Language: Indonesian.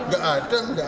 gak ada gak ada